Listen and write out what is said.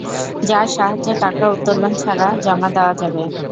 যার সাহায্যে টাকা উত্তোলন ছাড়াও জমা দেয়া যাবে।